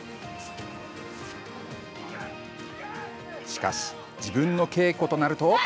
しかし、自分の稽古となると。